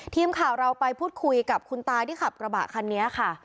ทีมข่าวเราไปพูดคุยกับคุณตาที่ขับกระบะคันนี้ค่ะ